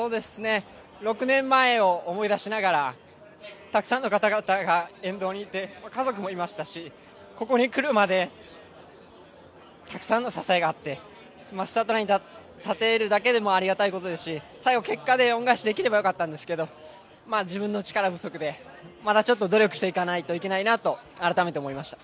６年前を思い出しながらたくさんの方々が沿道にいて、家族もいましたしここに来るまでたくさんの支えがあってスタートラインに立てるだけでもありがたいことですし、最後、結果で恩返しできればよかったんですけど自分の力不足で、またちょっと努力していかなければいけないなと改めて思いました。